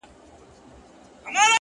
هره هڅه د راتلونکي تخم دی!